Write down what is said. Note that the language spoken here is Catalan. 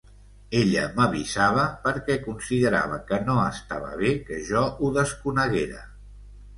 Ella m'avisava perquè considerava que no estava bé que jo ho desconeguera.